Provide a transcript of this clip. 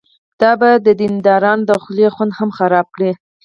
دا به د دیندارانو د خولې خوند هم ورخراب کړي.